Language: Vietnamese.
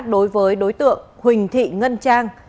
đối với đối tượng huỳnh thị ngân trang